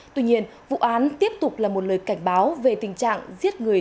tuy nhiên vụ án tiếp tục là một lời cảnh báo về tình trạng giết người